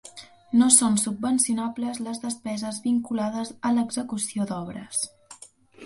No són subvencionables les despeses vinculades a l'execució d'obres.